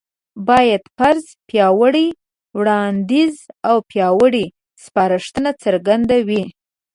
بايد: فرض، پياوړی وړانديځ او پياوړې سپارښتنه څرګندوي